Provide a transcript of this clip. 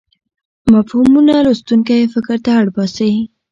مفهومونه لوستونکی فکر ته اړ باسي.